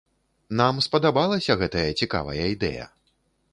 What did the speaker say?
Нам спадабалася гэтая цікавая ідэя.